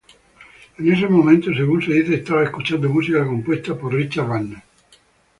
En ese momento, según se dice, estaba escuchando música compuesta por Richard Wagner.